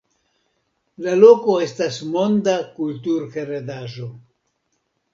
La loko estas monda kulturheredaĵo.